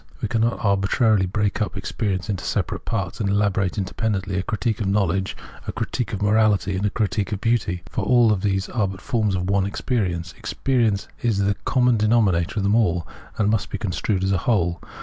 We cannot arbitrarily break up experience into separate parts, and elaborate in dependently a "critique of knowledge," a "critique of morahty," and a "critique of beauty"; for all these are but forms of one experience : experience is tjhe common denominator of all, and must be construed as a whole.